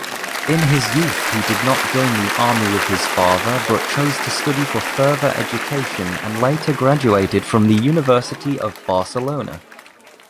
In his youth, he did not join the army with his father, but chose to study for further education, and later graduated from the University of Barcelona.